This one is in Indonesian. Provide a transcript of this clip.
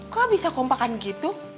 kok bisa kompakan gitu